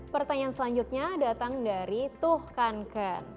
pertanyaan selanjutnya datang dari tuh kanken